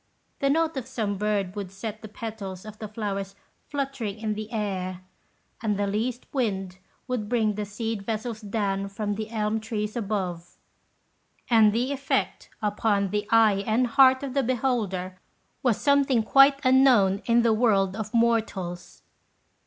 The note of some bird would set the petals of the flowers fluttering in the air, and the least wind would bring the seed vessels down from the elm trees above; and the effect upon the eye and heart of the beholder was something quite unknown in the world of mortals.